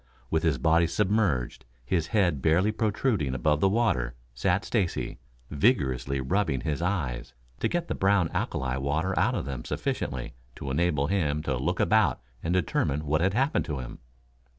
With his body submerged, his head barely protruding above the water, sat Stacy, vigorously rubbing his eyes to get the brown alkali water out of them sufficiently to enable him to look about and determine what had happened to him.